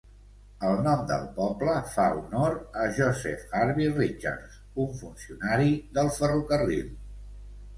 El nom del poble fa honor a Joseph Harvey Richards, un funcionari del ferrocarril.